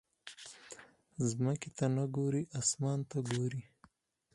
ځمکې ته نه ګورې، اسمان ته ګورې.